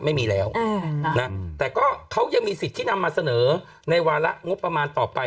ไม่มีแล้วนะแต่ก็เขายังมีสิทธิ์ที่นำมาเสนอในวาระงบประมาณต่อไป